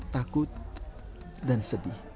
takut dan sedih